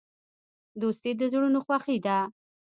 دوستي د زړونو خوښي ده.